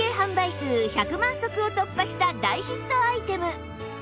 数１００万足を突破した大ヒットアイテム